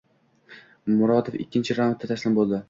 Murodov ikkinchi raundda taslim bo‘ldi